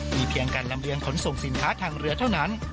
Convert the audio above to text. มีเพียงการลำเรียงขนส่งสินค้าทางเรือเท่านั้น